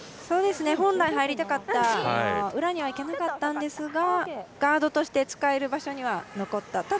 本来、入りたかった裏にはいけなかったんですがガードとして使える場所には残った。